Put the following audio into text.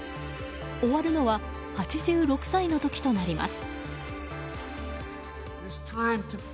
終わるのは８６歳の時となります。